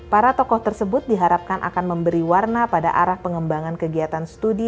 para tokoh tersebut diharapkan akan memberi warna pada arah pengembangan kegiatan studi